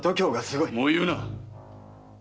もう言うな！